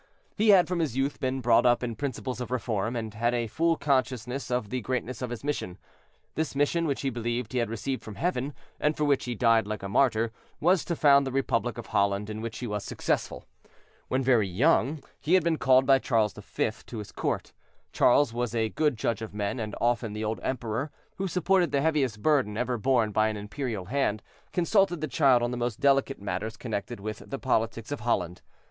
He had from his youth been brought up in principles of reform, and had a full consciousness of the greatness of his mission. This mission, which he believed he had received from Heaven, and for which he died like a martyr, was to found the Republic of Holland, in which he was successful. When very young he had been called by Charles V. to his court. Charles was a good judge of men, and often the old emperor, who supported the heaviest burden ever borne by an imperial hand, consulted the child on the most delicate matters connected with the politics of Holland.